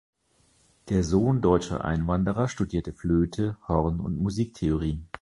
Der Sohn deutscher Einwanderer studierte Flöte, Horn und Musiktheorie.